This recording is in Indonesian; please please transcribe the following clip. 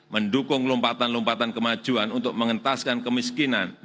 mendukung lompatan lompatan kemajuan untuk mengentaskan kemiskinan